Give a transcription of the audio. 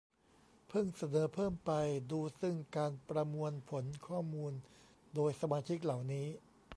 เพิ่งเสนอเพิ่มไป ดู ซึ่งการประมวลผลข้อมูลโดยสมาชิกเหล่านี้